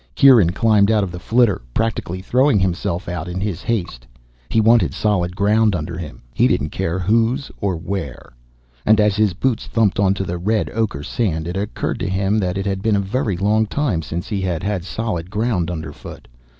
Kieran climbed out of the flitter, practically throwing himself out in his haste. He wanted solid ground under him, he didn't care whose or where. And as his boots thumped onto the red ochre sand, it occurred to him that it had been a very long time since he had had solid ground underfoot.